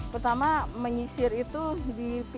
pertama menyisir itu di